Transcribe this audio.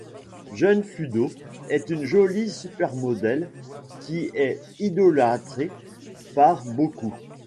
Jun Fudo est une jolie supermodel qui est idolâtrée par beaucoup.